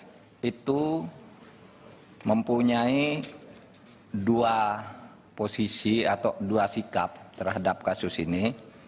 kita itu mempunyai dua posisi atau dua sikap terhadap kasus ini